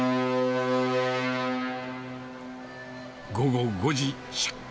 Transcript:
午後５時、出航。